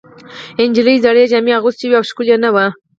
نجلۍ زړې جامې اغوستې وې او ښکلې نه وه.